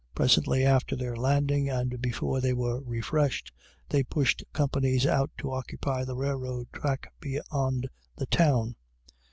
Presently after their landing, and before they were refreshed, they pushed companies out to occupy the railroad track beyond the town.